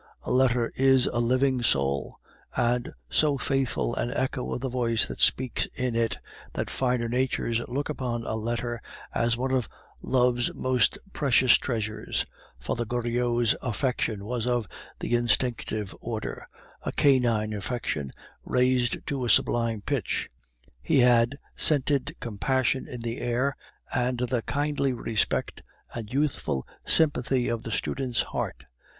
A letter is a living soul, and so faithful an echo of the voice that speaks in it, that finer natures look upon a letter as one of love's most precious treasures. Father Goriot's affection was of the instinctive order, a canine affection raised to a sublime pitch; he had scented compassion in the air, and the kindly respect and youthful sympathy in the student's heart.